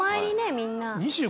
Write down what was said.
みんな。